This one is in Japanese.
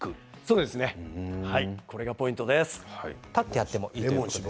これがポイントです。